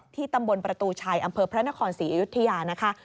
ตำบลประตูชัยอำเภอพระนครศรีอยุธยานะคะ